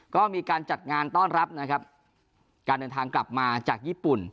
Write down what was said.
ก็มีการจัดงานต้อนรับนะครับการเดินทางกลับมาจากญี่ปุ่น